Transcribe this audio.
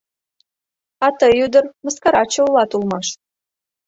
— А тый, ӱдыр, мыскараче улат улмаш.